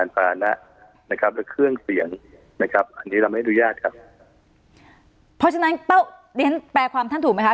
เพราะฉะนั้นแปลความทั่งถูกไหมค่ะ